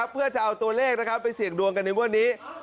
เพื่อจะเอาตัวเลขไปเสี่ยงดวงกันในงวดนี้